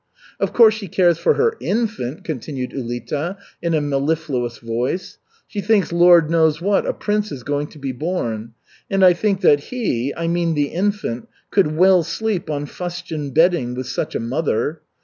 "Of course, she cares for her infant," continued Ulita, in a mellifluous voice. "She thinks Lord knows what, a prince is going to be born. And I think that he, I mean the infant, could well sleep on fustian bedding with such a mother."